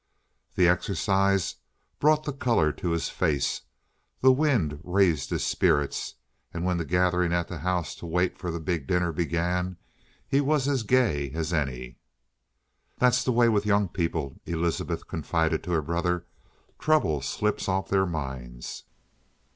The exercise brought the color to his face; the wind raised his spirits; and when the gathering at the house to wait for the big dinner began, he was as gay as any. "That's the way with young people," Elizabeth confided to her brother. "Trouble slips off their minds."